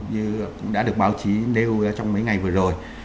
như đã được báo chí đeo trong mấy ngày vừa rồi